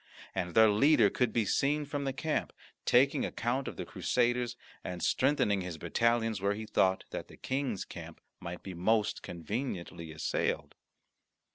And their leader could be seen from the camp, taking account of the Crusaders, and strengthening his battalions where he thought that the King's camp might be most conveniently assailed.